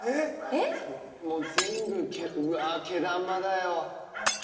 もう全部、うわー、毛玉だよ。